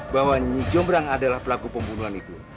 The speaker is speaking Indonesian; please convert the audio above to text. bahwa nyi jombrang adalah pelaku pembunuhan itu